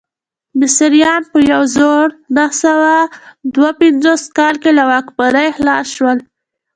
مصریان په یو زرو نهه سوه دوه پنځوس کال کې له واکمنۍ خلاص شول.